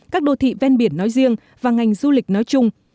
các đô thị ven biển nói riêng và ngành du lịch nói chung